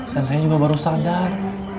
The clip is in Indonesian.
dan saya juga baru sadar